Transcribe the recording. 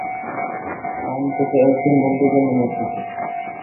অন্তত একজন বন্ধুর জন্য মরতে চাই।